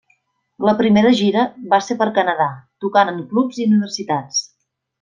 La primera gira va ser per Canada, tocant en clubs i universitats.